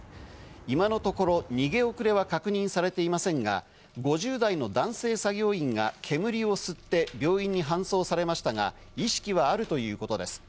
今のところ逃げ遅れは確認されていませんが、５０代の男性作業員が煙を吸って病院に搬送されましたが意識はあるということです。